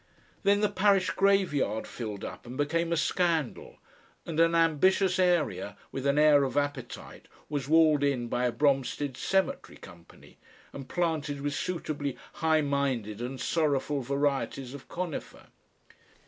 Then the parish graveyard filled up and became a scandal, and an ambitious area with an air of appetite was walled in by a Bromstead Cemetery Company, and planted with suitably high minded and sorrowful varieties of conifer.